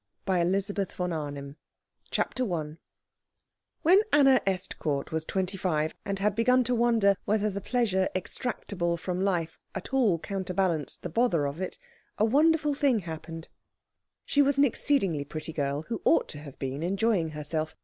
WILHELM BUSCH. THE BENEFACTRESS CHAPTER I When Anna Estcourt was twenty five, and had begun to wonder whether the pleasure extractable from life at all counterbalanced the bother of it, a wonderful thing happened. She was an exceedingly pretty girl, who ought to have been enjoying herself.